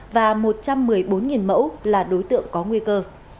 và một trăm một mươi bốn mẫu là đối tượng có nguy cơ